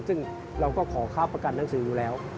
ซึ่งเราก็ขอค่าประกันหนังสืออยู่แล้ว